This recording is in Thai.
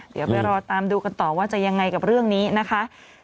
เดี๋ยวไปรอตามดูกันต่อว่าจะยังไงกับเรื่องนี้นะคะ